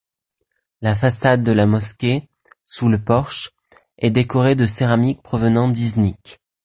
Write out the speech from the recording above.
La façade de la mosquée, sous le porche, est décorée de céramiques provenant d'Iznik.